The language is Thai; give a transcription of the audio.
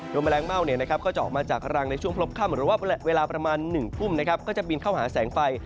แมลงเม่าก็จะออกมาจากรังในช่วงพบค่ำหรือว่าเวลาประมาณ๑ทุ่มก็จะบินเข้าหาแสงไฟ